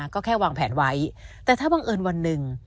ก็แค่วางแผนไว้แต่ถ้าบังเอิญวันหนึ่ง